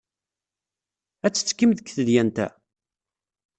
Ad tettekkim deg tedyant-a?